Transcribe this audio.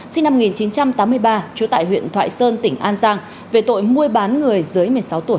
sinh năm một nghìn chín trăm tám mươi ba trú tại huyện thoại sơn tỉnh an giang về tội mua bán người dưới một mươi sáu tuổi